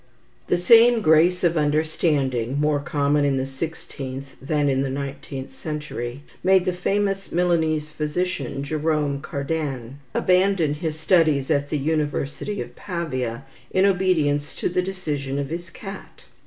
The same grace of understanding more common in the sixteenth than in the nineteenth century made the famous Milanese physician, Jerome Cardan, abandon his students at the University of Pavia, in obedience to the decision of his cat.